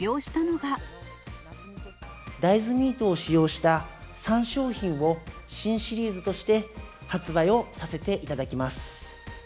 大豆ミートを使用した３商品を、新シリーズとして発売をさせていただきます。